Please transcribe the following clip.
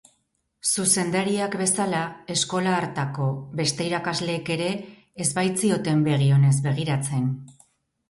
Zuzendariak bezala, eskola hartako beste irakasleek ere ez baitzioten begi onez begiratzen.